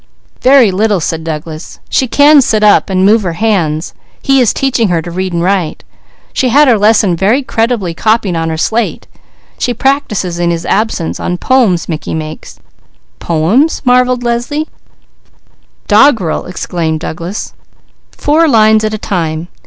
'" "Very little," said Douglas. "She can sit up and move her hands. He is teaching her to read and write. She had her lesson very creditably copied out on her slate. She practises in his absence on poems Mickey makes." "Poems?" "Doggerel," explained Douglas. "Four lines at a time.